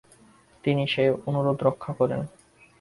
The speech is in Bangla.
তিনি সেই অনুরোধ রক্ষা করেন।